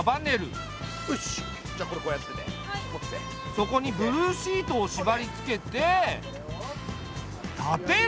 そこにブルーシートを縛りつけて立てる。